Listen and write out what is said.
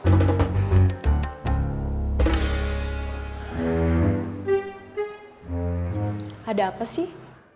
ada apa sih